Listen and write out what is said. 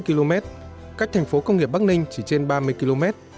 sáu mươi km cách thành phố công nghiệp bắc ninh chỉ trên ba mươi km